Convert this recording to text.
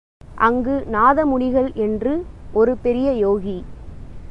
அங்கு நாதமுனிகள் என்று ஒரு பெரிய யோகி.